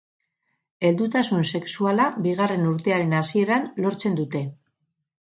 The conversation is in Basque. Heldutasun sexuala bigarren urtearen hasieran lortzen dute.